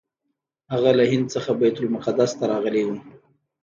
هغه له هند څخه بیت المقدس ته راغلی و.